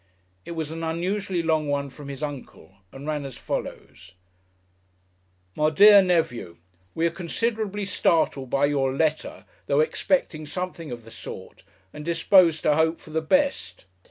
It was an unusually long one from his Uncle, and ran as follows: "MY DEAR NEPHEW: "We are considerably startled by your letter though expecting something of the sort and disposed to hope for the best.